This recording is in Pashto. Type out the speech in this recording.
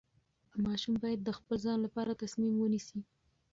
ماشوم باید د خپل ځان لپاره تصمیم ونیسي.